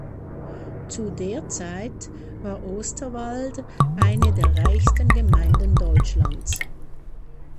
Zu der Zeit war Osterwald eine der reichsten Gemeinden Deutschlands.